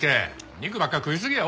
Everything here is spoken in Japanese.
肉ばっか食いすぎや。